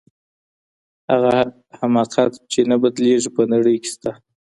هغه حماقت چي نه بدلیږي په نړۍ کي سته.